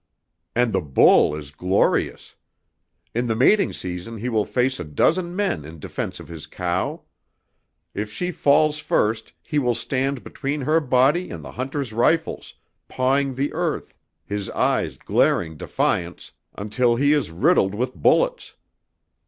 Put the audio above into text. And the bull is glorious! In the mating season he will face a dozen men in defense of his cow. If she falls first he will stand between her body and the hunters' rifles, pawing the earth, his eyes glaring defiance, until he is riddled with bullets.